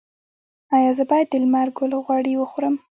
ایا زه باید د لمر ګل غوړي وخورم؟